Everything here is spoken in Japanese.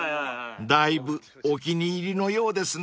［だいぶお気に入りのようですね］